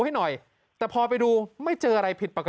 ให้หน่อยแต่พอไปดูไม่เจออะไรผิดปกติ